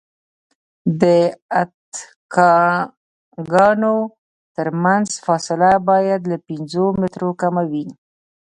د اتکاګانو ترمنځ فاصله باید له پنځو مترو کمه وي